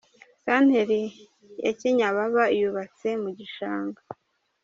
Santere ya Kinyababa yubatse mu gishanga.